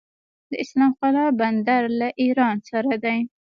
د اسلام قلعه بندر له ایران سره دی